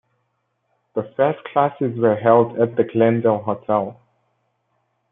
The first classes were held at the Glendale Hotel.